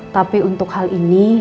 tapi untuk hal ini